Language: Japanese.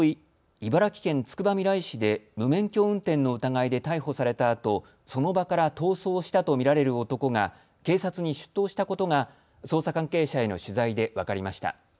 茨城県つくばみらい市で無免許運転の疑いで逮捕されたあと、その場から逃走したと見られる男が警察に出頭したことが捜査関係者への取材で分かりました。